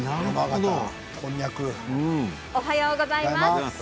おはようございます。